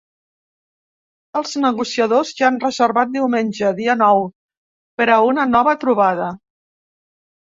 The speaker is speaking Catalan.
Els negociadors ja han reservat diumenge, dia nou, per a una nova trobada.